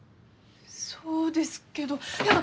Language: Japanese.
そうですけどやだ！